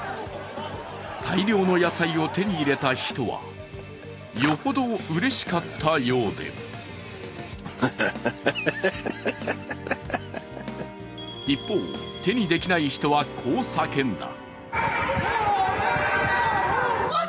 大量の野菜を手に入れた人はよほどうれしかったようで一方、手にできない人は、こう叫んだ。